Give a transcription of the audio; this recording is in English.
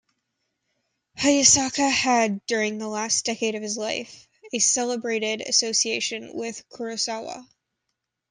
Hayasaka had, during the last decade of his life, a celebrated association with Kurosawa.